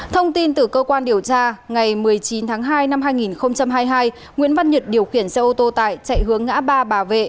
thông tin từ cơ quan điều tra ngày một mươi chín tháng hai năm hai nghìn hai mươi hai nguyễn văn nhật điều khiển xe ô tô tải chạy hướng ngã ba bà vệ